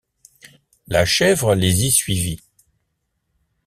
La chèvre les y suivit.